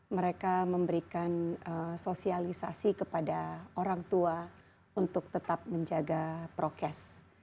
mereka memberikan sosialisasi kepada orang tua untuk tetap menjaga prokes